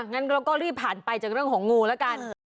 งั้นเราก็รีบผ่านไปจากเรื่องของงูแล้วกัน